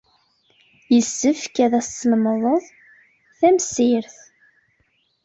Yessefk ad as-teslemded tamsirt.